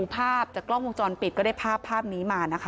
ภาพจากกล้องวงจรปิดก็ได้ภาพนี้มานะคะ